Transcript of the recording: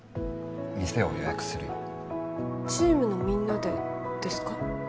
店を予約するよチームのみんなでですか？